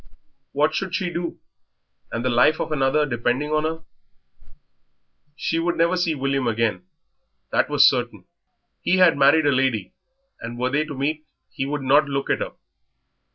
What should she do, and the life of another depending on her? She would never see William again that was certain. He had married a lady, and, were they to meet, he would not look at her.